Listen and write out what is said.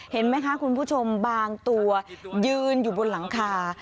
เห็นไหมคะคุณผู้ชมบางตัวยืนอยู่บนหลังคา